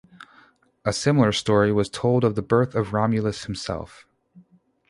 A similar story was told of the birth of Romulus himself.